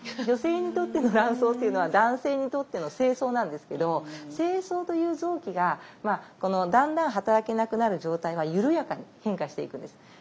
女性にとっての卵巣っていうのは男性にとっての精巣なんですけど精巣という臓器がだんだん働けなくなる状態は緩やかに変化していくんです。